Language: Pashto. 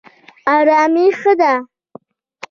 ارامي ښه ده.